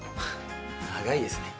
長いですね。